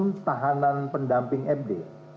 dan tahanan pendamping fd